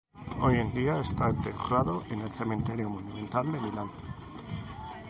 Hoy en día está enterrado en el Cementerio Monumental de Milán.